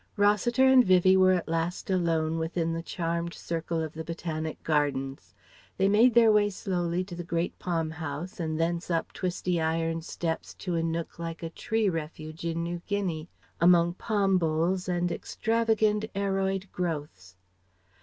Rossiter and Vivie were at last alone within the charmed circle of the Botanic Gardens. They made their way slowly to the great Palm House and thence up twisty iron steps to a nook like a tree refuge in New Guinea, among palm boles and extravagant aroid growths.